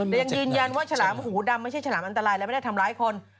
แต่ยังยืนยันว่าฉลามหูดำไม่ใช่ฉลามอันตรายและไม่ได้ทำร้ายคน